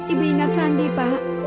ibu ingat sandi pak